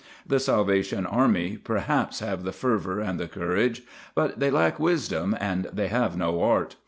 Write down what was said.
The Salvation Army, perhaps, have the fervour and the courage, but they lack wisdom, and they have no art.